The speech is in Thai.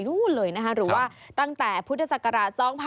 หรือว่าตั้งแต่พุทธศักราช๒๓๑๐